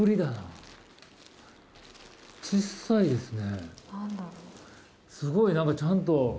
すごい何かちゃんと。